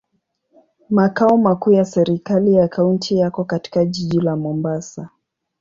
Makao makuu ya serikali ya kaunti yako katika jiji la Mombasa.